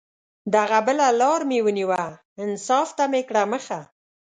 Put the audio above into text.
دغه بله لار مې ونیوه، انصاف ته مې کړه مخه